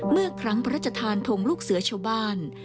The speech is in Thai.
เมื่อครั้งพระราชทานทงลูกเสือชาวบ้าน